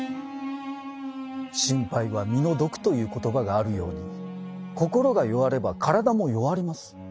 「心配は身の毒」という言葉があるように心が弱れば体も弱ります。